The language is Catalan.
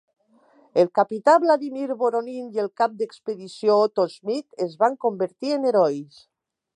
El capità Vladimir Voronin i el cap d'expedició Otto Schmidt es van convertir en herois.